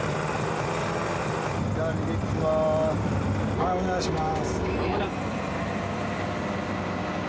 はいお願いします。